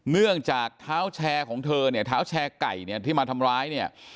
เนื่องจากเท้าแชร์ของเธอเนี่ยเท้าแชร์ไก่เนี่ยที่มาทำร้ายเนี่ย